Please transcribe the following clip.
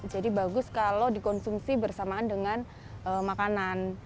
jadi bagus kalau dikonsumsi bersamaan dengan makanan